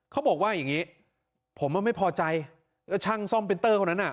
เค้าบอกว่าอย่างงี้ผมไม่พอใจเพราะช่างซ่อมปรินเตอร์เค้านั้น